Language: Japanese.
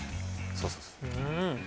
そうそう。